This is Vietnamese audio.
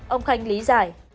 ông khanh lý giải